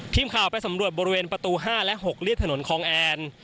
ทีมข่าวไปสำรวจบริเวณประตู๕และ๖เรียบถนนคลองแอน